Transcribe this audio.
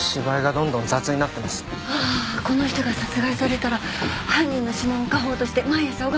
この人が殺害されたら犯人の指紋を家宝として毎朝拝むの。